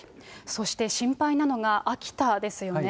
そして心配なのが秋田ですよね。